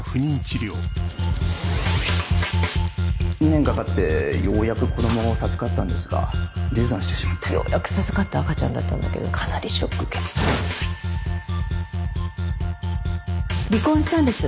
２年かかってようやく子供を授かったんですが流産してしまってようやく授かった赤ちゃんだったんだけどかなりショック受けて離婚したんです